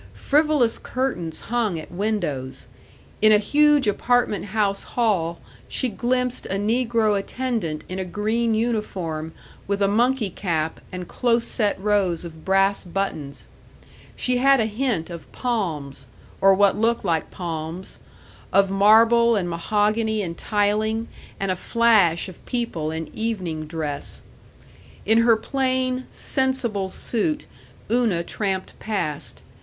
Frivolous curtains hung at windows; in a huge apartment house hall she glimpsed a negro attendant in a green uniform with a monkey cap and close set rows of brass buttons; she had a hint of palms or what looked like palms; of marble and mahogany and tiling, and a flash of people in evening dress. In her plain, "sensible" suit Una tramped past.